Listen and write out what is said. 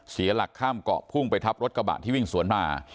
เสียหลักข้ามเกาะพุ่งไปทับรถกระบะที่วิ่งสวนมา